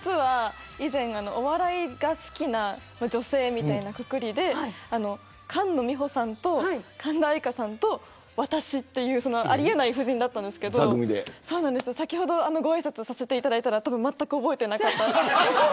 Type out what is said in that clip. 以前、お笑いが好きな女性みたいなくくりで菅野美穂さんと神田愛花さんと私というありえない布陣だったんですけど先ほどごあいさつをさせていただいたらまったく覚えていなかった。